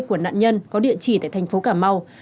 của nạn nhân có địa chỉ tại thành phố cà mau